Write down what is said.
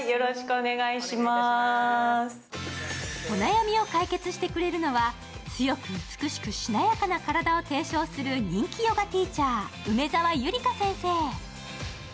お悩みを解決してくれるのは、強く、美しく、しなやかな体を提唱する人気ヨガティーチャー、梅澤友里香先生。